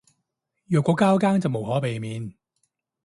若果交更就無可避免